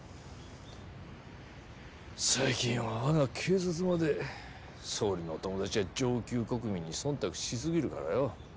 最近は我が警察まで総理のお友達や上級国民に忖度しすぎるからよ。